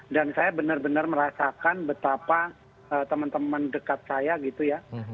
dan saya benar benar merasakan betapa teman teman dekat saya gitu ya